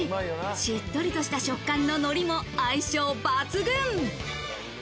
しっとりとした食感の海苔も相性抜群！